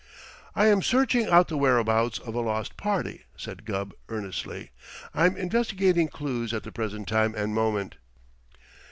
"I am searching out the whereabouts of a lost party," said Gubb earnestly. "I'm investigating clues at the present time and moment."